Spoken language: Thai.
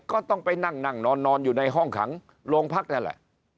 ก็ต้องไปนั่งนั่งนอนอยู่ในห้องขังโรงพักนั่นแหละ